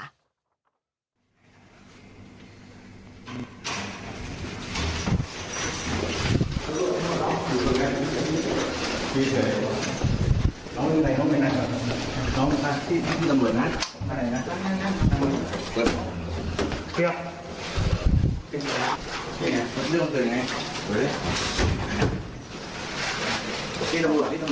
พี่พาหลังจีนเท่าไหร่